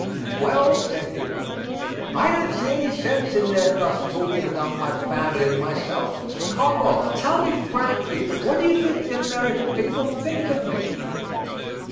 "Well," said he, "I don't see any sense in their thus talking about my family and myself. Conwell, tell me frankly, what do you think the American people think of me?"